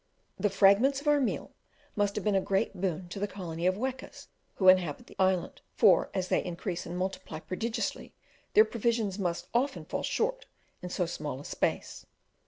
The fragments of our meal must have been a great boon to the colony of wekas who inhabit the island, for as they increase and multiply prodigiously their provisions must often fall short in so small a space.